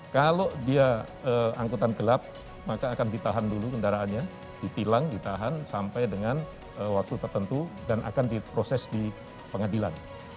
kalau dia angkutan gelap maka akan ditahan dulu kendaraannya ditilang ditahan sampai dengan waktu tertentu dan akan diproses di pengadilan